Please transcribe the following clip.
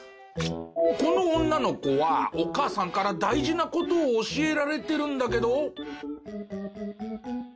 この女の子はお母さんから大事な事を教えられてるんだけど。